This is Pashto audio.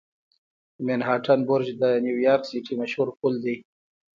منهاټن برج د نیویارک سیټي مشهور پل دی.